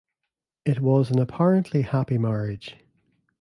It was an apparently happy marriage.